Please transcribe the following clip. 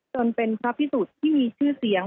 จนเป็นพระพิสุทธิ์ที่มีชื่อเสียง